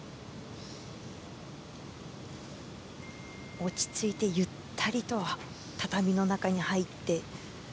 落ち着いてゆったりと畳の中に入って